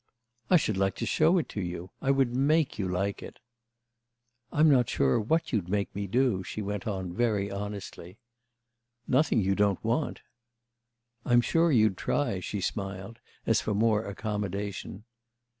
"I should like to show it to you. I would make you like it." "I'm not sure what you'd make me do," she went on very honestly. "Nothing you don't want." "I'm sure you'd try," she smiled as for more accommodation.